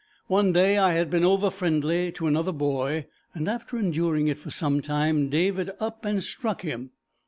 One day I had been over friendly to another boy, and, after enduring it for some time David up and struck him.